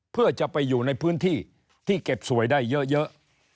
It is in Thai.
เพื่อจะไปอยู่ในพื้นที่ที่เก็บสวยได้เยอะ